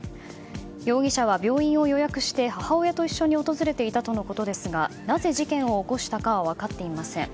容疑者は病院を予約して母親と一緒に訪れていたとのことですがなぜ事件を起こしたかは分かっていません。